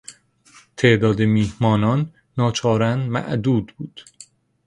تعداد میهمانان ناچارا معدود بود.